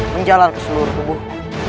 menjalan ke seluruh tubuh